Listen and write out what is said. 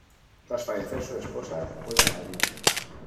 Tras fallecer su esposa, vuelve a Madrid.